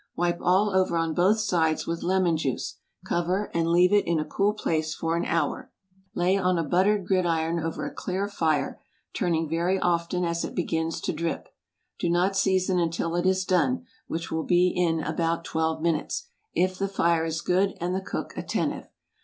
Wipe all over on both sides with lemon juice, cover, and leave it in a cool place for one hour. Lay on a buttered gridiron over a clear fire, turning very often as it begins to drip. Do not season until it is done, which will be in about twelve minutes, if the fire is good and the cook attentive.